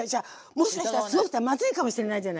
もしかしたらすごくまずいかもしれないじゃないさ。